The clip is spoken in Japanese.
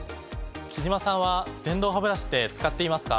貴島さんは電動ハブラシって使っていますか？